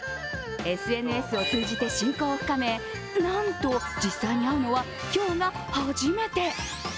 ＳＮＳを通じて親交を深め、なんと実際に会うのは今日が初めて。